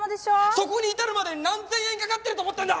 そこに至るまでに何千円かかってると思ってるんだ！